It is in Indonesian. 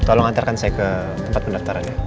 tolong antarkan saya ke tempat pendaftarannya